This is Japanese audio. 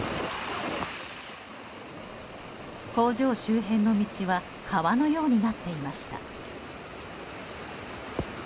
工場周辺の道は川のようになっていました。